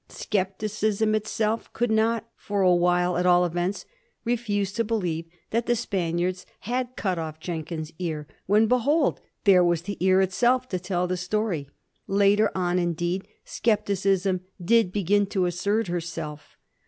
Scepticism itself could not, for a while at all events, refuse to believe that the Spaniards had cut off Jenkins's ear, when, behold ! there was the ear itself to tell the story. Later on, indeed. Scep ticism did begin to assert herself.